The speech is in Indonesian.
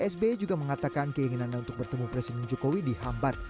sbe juga mengatakan keinginan untuk bertemu presiden jokowi di hambat